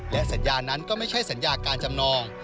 และสัญญานั้นก็ไม่ใช่สัญญาการจำนอง